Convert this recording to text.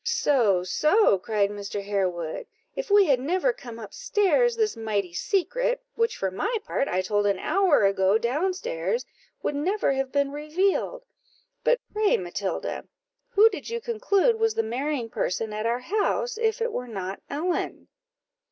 "So, so!" cried Mr. Harewood; "if we had never come up stairs, this mighty secret, which, for my part, I told an hour ago down stairs, would never have been revealed. But pray, Matilda, who did you conclude was the marrying person at our house, if it were not Ellen?"